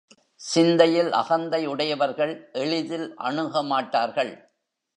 சிந்தையில் அகந்தை உடையவர்கள் எளிதில் அணுகமாட்டார்கள்.